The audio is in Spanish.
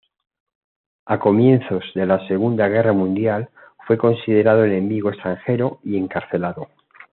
A comienzos de la Segunda Guerra Mundial fue considerado enemigo extranjero y encarcelado.